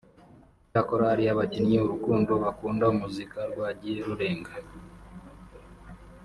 Icyakora hari abakinnyi urukundo bakunda muzika rwagiye rurenga